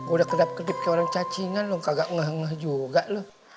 udah kedap kedip kayak orang cacingan lo nggak engeh enggeh juga lo